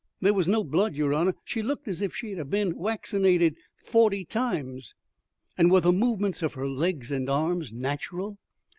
There was no blood, yer honour; she looked as if she 'ad bin waccinated forty times." "And were the movements of her legs and arms natural?"